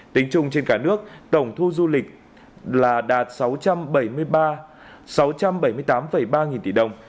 tính chung trên cả nước tổng thu du lịch là đạt sáu trăm bảy mươi tám ba nghìn tỷ đồng